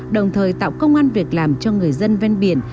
đồng thời tạo công an việc làm cho người dân ven biển